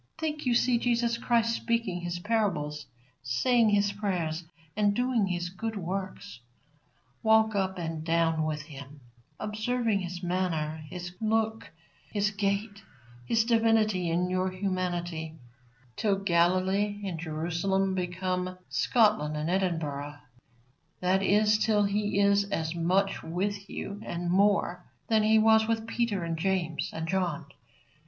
Think you see Jesus Christ speaking His parables, saying His prayers, and doing His good works. Walk up and down with Him, observing His manner, His look, His gait, His divinity in your humanity, till Galilee and Jerusalem become Scotland and Edinburgh; that is, till He is as much with you, and more, than He was with Peter and James and John.